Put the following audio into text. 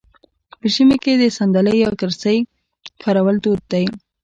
په ژمي کې د ساندلۍ یا کرسۍ کارول دود دی.